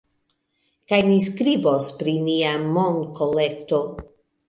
Kaj ni skribos pri nia monkolekto